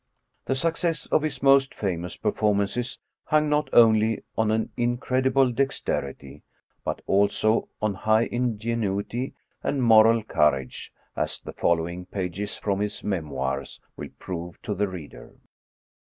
The success of his moat famous performances hung not only on an incredible dex« terity, but also on high ingenuity and moral courage, as the following pages from his •* Memoirs " will prove to the reader.